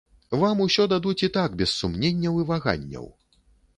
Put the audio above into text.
Вам усё дадуць і так без сумненняў і ваганняў.